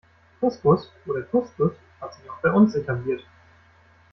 Couscous oder Kuskus hat sich auch bei uns etabliert.